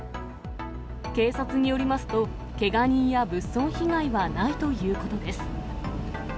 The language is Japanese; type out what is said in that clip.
警察によりますと、けが人や物損被害はないということです。